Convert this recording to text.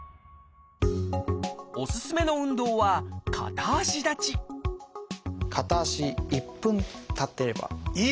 おすすめの運動は片足立ち片足１分立ってれば。